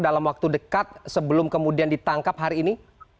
dalam waktu dekat sebelum kemudian ditangkap hari ini